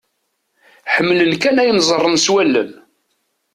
Ḥemmlen kan ayen ẓẓaren s wallen.